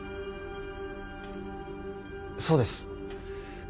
そうです。